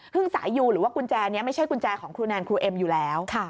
สายยูหรือว่ากุญแจนี้ไม่ใช่กุญแจของครูแนนครูเอ็มอยู่แล้ว